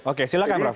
oke silakan prof